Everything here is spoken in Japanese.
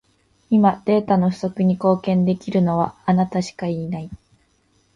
今、データの不足に貢献できるのは、あなたしかいない。